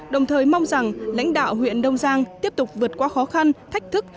đồng thời mong rằng lãnh đạo huyện đông giang tiếp tục vượt qua khó khăn thách thức